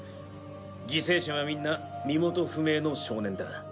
犠牲者はみんな身元不明の少年だ。